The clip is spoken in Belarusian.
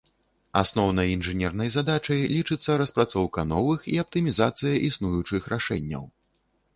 Асноўнай інжынернай задачай лічыцца распрацоўка новых і аптымізацыя існуючых рашэнняў.